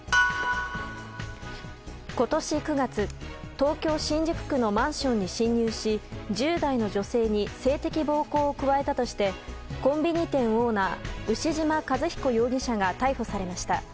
今年９月、東京・新宿区のマンションに侵入し１０代の女性に性的暴行を加えたとしてコンビニ店オーナー牛島和彦容疑者が逮捕されました。